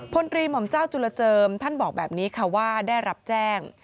พลตรีหม่อมเจ้าจุลเจิมท่านบอกแบบนี้ค่ะว่าได้รับแจ้ง